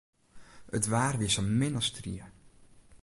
It waar wie sa min as strie.